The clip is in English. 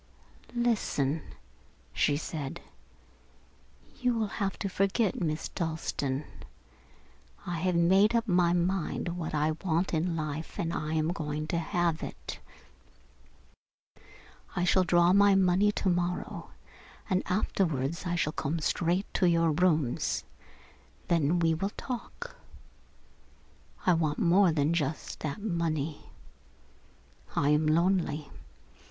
"Listen," she said. "You will have to forget Miss Dalstan. I have made up my mind what I want in life and I am going to have it. I shall draw my money to morrow morning and afterwards I shall come straight to your rooms. Then we will talk. I want more than just that money. I am lonely.